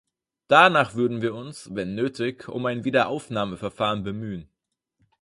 Danach würden wir uns, wenn nötig, um ein Wiederaufnahmeverfahren bemühen.